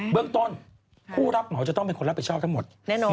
เรื่องต้นผู้รับเหมาจะต้องเป็นคนรับผิดชอบทั้งหมด